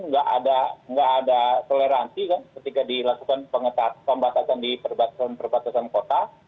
nggak ada toleransi kan ketika dilakukan pembatasan di perbatasan perbatasan kota